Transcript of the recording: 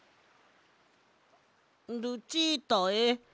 「ルチータへ。